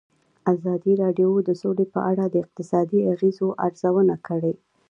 ازادي راډیو د سوله په اړه د اقتصادي اغېزو ارزونه کړې.